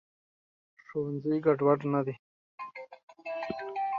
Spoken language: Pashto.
ښوونځي ګډوډ نه دی.